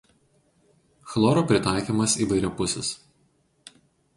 Chloro pritaikymas įvairiapusis.